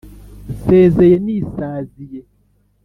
Nsezeye nisaziye